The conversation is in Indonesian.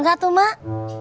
mau gak tuh mak